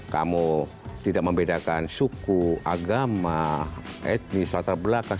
kamu tidak membedakan suku agama etnis latar belakang